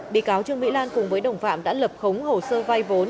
bị cáo trương mỹ lan cùng với đồng phạm đã lập khống hồ sơ vay vốn